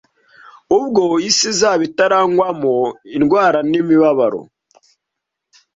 ubwo isi izaba itarangwamo indwara n’imibabaro